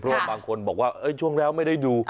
เพราะว่าบางคนบอกว่าช่วงแล้วไม่ได้ดู